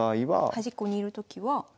端っこにいるときは。